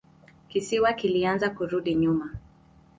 Kisiwa kilianza kurudi nyuma.